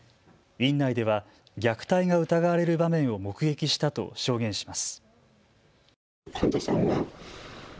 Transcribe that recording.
院内では虐待が疑われる場面を目撃したと証言します。